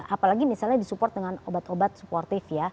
apalagi misalnya di support dengan obat obat suportif ya